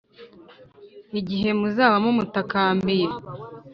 Igihe muzaba mumutakambiye,